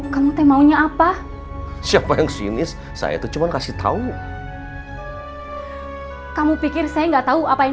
kamu mau nyapa siapa yang sinis saya itu cuman kasih tahu kamu pikir saya nggak tahu apa yang